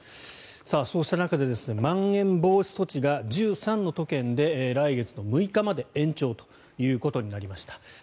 そうした中でまん延防止措置が１３の都県で来月６日まで延長ということになりました。